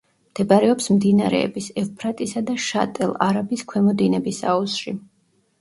მდებარეობს მდინარეების ევფრატისა და შატ-ელ-არაბის ქვემო დინების აუზში.